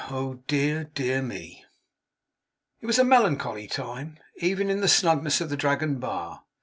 Oh, dear, dear me!' It was a melancholy time, even in the snugness of the Dragon bar.